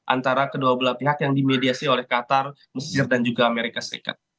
antara kedua belah pihak yang dimediasi oleh qatar mesir dan juga amerika serikat